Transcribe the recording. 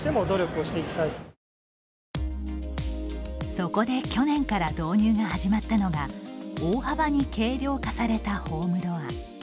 そこで、去年から導入が始まったのが大幅に軽量化されたホームドア。